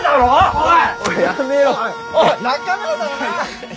おい。